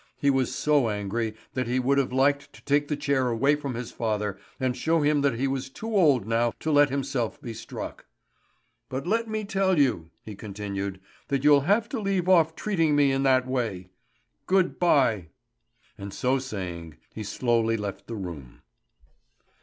He was so angry that he would have liked to take the chair away from his father and show him that he was too old now to let himself be struck. "But let me tell you," he continued, "that you'll have to leave off treating me in that way. Good bye!" And so saying, he slowly left the room.